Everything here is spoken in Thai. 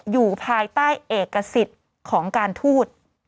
อยู่ภายใต้เอกสิทธิ์ของการทูต